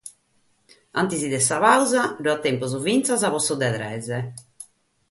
In antis de sa pàusa b'at tempus fintzas pro su de tres.